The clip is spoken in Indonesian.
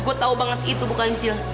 gue tau banget itu bukan siang